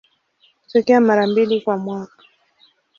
Hutokea mara mbili kwa mwaka.